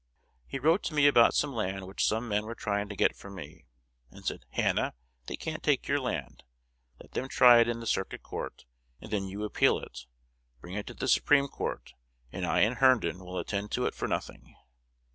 He wrote to me about some land which some men were trying to get from me, and said, 'Hannah, they can't get your land. Let them try it in the Circuit Court, and then you appeal it; bring it to Supreme Court, and I and Herndon will attend to it for nothing.'"